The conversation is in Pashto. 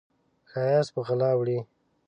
ښایست په غلا وړي